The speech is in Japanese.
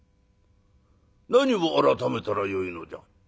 何を改めたらよいのじゃ」。